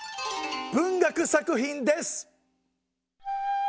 文学作品です！